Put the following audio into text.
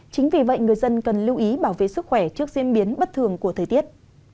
chính vì vậy người dân cần lưu ý bảo vệ sức khỏe trước diễn biến bất thường của thời tiết